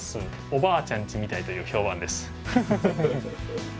「おばあちゃんちみたい」という評判です。